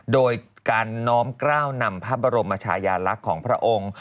โดยการน้อมกล้าวนำพระบรมชายาลักษณ์ของพระองค์